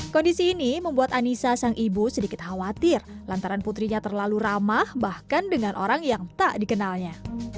kondisi ini membuat anissa sang ibu sedikit khawatir lantaran putrinya terlalu ramah bahkan dengan orang yang tak dikenalnya